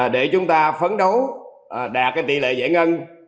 để chúng ta phấn đấu đạt tỷ lệ giải ngân